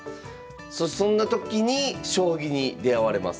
そんな時に将棋に出会われます。